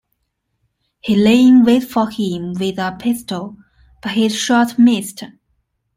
He lay in wait for him with a pistol, but his shot missed.